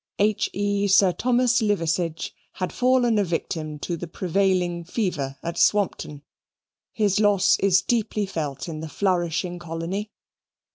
H. E. Sir Thomas Liverseege had fallen a victim to the prevailing fever at Swampton. His loss is deeply felt in the flourishing colony.